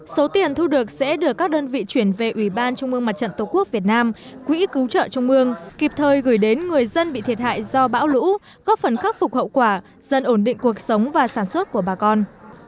số tiền thu được sẽ được các đơn vị chuyển về ủy ban trung mương mặt trận tổ quốc việt nam quỹ cứu trợ trung ương kịp thời gửi đến người dân bị thiệt hại do bão lũ góp phần khắc phục hậu quả dần ổn định cuộc sống và sản xuất của bà con